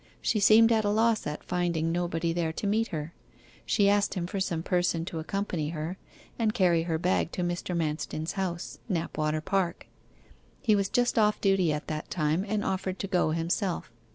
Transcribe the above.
She seemed at a loss at finding nobody there to meet her. She asked him for some person to accompany her, and carry her bag to Mr. Manston's house, Knapwater Park. He was just off duty at that time, and offered to go himself.